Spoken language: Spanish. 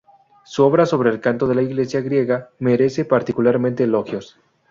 Su obra sobre el canto de la Iglesia griega merece particularmente elogios.